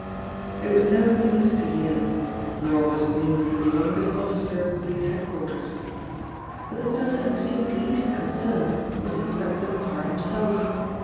It was no news to Vale: nor was it news to the youngest officer at police head quarters. But the person who seemed least concerned was Inspector Parr himself.